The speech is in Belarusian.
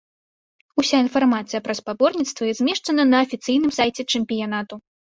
Уся інфармацыя пра спаборніцтвы змешчана на афіцыйным сайце чэмпіянату.